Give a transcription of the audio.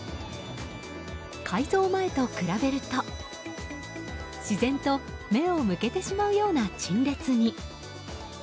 改造前と比べると自然と目を向けてしまうような陳列に。